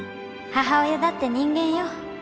母親だって人間よ。